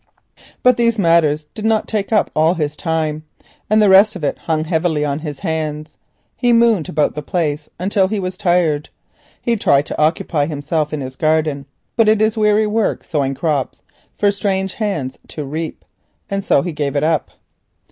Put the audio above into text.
But these matters did not take up all his time, and the rest of it hung heavily on his hands. He mooned about the place until he was tired. He tried to occupy himself in his garden, but it was weary work sowing crops for strange hands to reap, and so he gave it up.